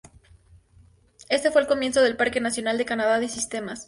Este fue el comienzo del Parque Nacional de Canadá de sistema.